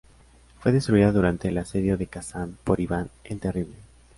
Fue destruida durante el asedio de Kazán por Iván el Terrible.